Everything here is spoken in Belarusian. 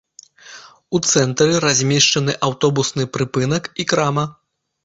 У цэнтры размешчаны аўтобусны прыпынак і крама.